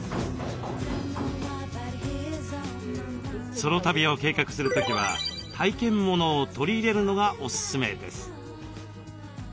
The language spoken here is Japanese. ソロ旅を計画する時は体験モノを取り入れるのがおすすめです。